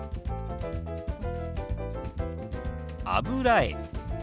「油絵」。